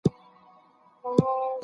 سالم ذهن آرامتیا نه زیانمنوي.